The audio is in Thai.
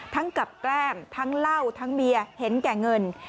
กับแกล้มทั้งเหล้าทั้งเบียร์เห็นแก่เงิน